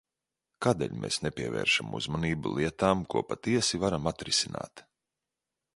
Kādēļ mēs nepievēršam uzmanību lietām, ko patiesi varam atrisināt?